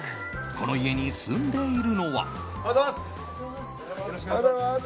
この家に住んでいるのは。